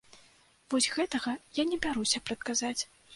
Вось гэтага я не бяруся прадказаць.